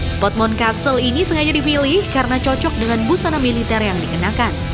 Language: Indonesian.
spotmond castle ini sengaja dipilih karena cocok dengan busana militer yang dikenakan